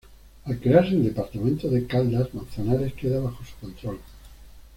Al crearse el departamento de Caldas, Manzanares queda bajo su control.